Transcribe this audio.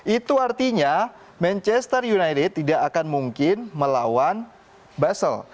itu artinya manchester united tidak akan mungkin melawan basel